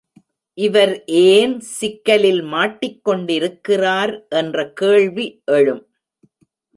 இவர் ஏன் சிக்கலில் மாட்டிக் கொண்டிருக்கிறார் என்ற கேள்வி எழும்.